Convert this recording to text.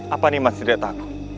apa nimas tidak takut